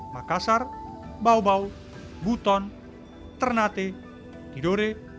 makassar baobau buton ternate tidore